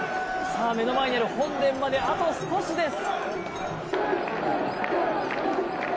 目の前にある本殿まであと少しです。